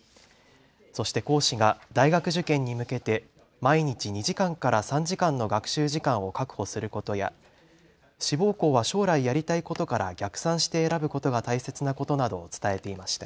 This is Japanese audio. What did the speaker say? そして講師が大学受験に向けて毎日２時間から３時間の学習時間を確保することや志望校は将来やりたいことから逆算して選ぶことが大切なことなどを伝えていました。